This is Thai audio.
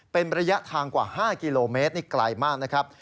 เป็นระยะทางกว่า๕กิโลเมตรนี่ไกลมากนะครับ